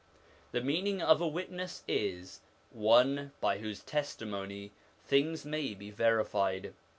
1 The meaning of ' a witness ' is, one by whose testimony things may be verified.